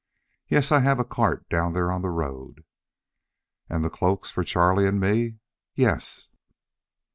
"Yes. I have a cart down there on the road." "And the cloaks for Charlie and me?" "Yes."